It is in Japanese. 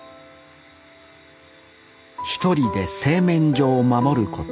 １人で製麺所を守ること